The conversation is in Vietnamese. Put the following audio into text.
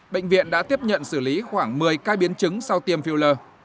bệnh viện đã tiếp nhận xử lý khoảng một mươi ca biến chứng sau tiêm filler